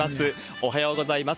おはようございます。